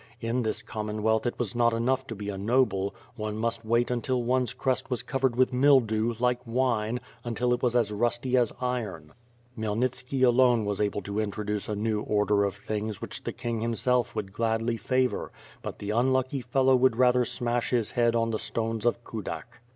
In this Commonwealth it was not enough to be a noble; one must wait until one's crest was covered with mildew, like wine, until it was as rusty as iron. Khmyelnitski, alone was able to introduce a new order of things which the king himself would gladly favor — ^but the unlucky fellow would rather smash his head on the stones of Kudak!